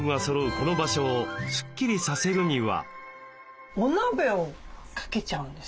この場所をスッキリさせるには？